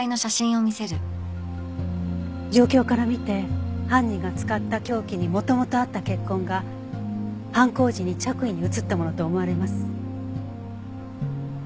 状況から見て犯人が使った凶器に元々あった血痕が犯行時に着衣に移ったものと思われます。